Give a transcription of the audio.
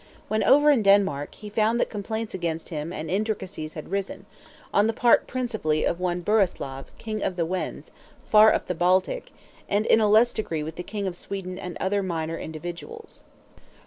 when, over in Denmark, he found that complaints against him and intricacies had arisen, on the part principally of one Burislav, King of the Wends (far up the Baltic), and in a less degree with the King of Sweden and other minor individuals.